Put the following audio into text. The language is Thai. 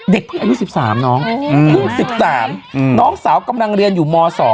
เด็กพี่อายุ๑๓น้องน้องสาวกำลังเรียนอยู่ม๒